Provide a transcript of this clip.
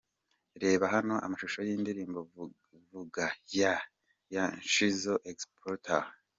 Reba hano amashusho y’indirimbo Vuga Yeah ya Nshizo Exploiter .